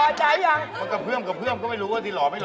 พอใจหรือยังมันกระเพื่อมก็ไม่รู้ว่าที่หล่อ